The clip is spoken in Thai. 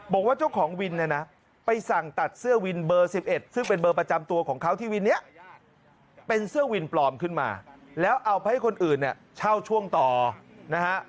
บอกว่าเจ้าของวินเนี่ยนะไปสั่งตัดเสื้อวินเบอร์๑๑ซึ่งเป็นเบอร์ประจำตัวของเขาที่วินนี้เป็นเสื้อวินปลอมขึ้นมาแล้วเอาไปให้คนอื่นเนี่ยเช่าช่วงต่อนะฮะ